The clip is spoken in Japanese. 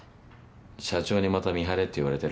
社長にまた見張れって言われてる？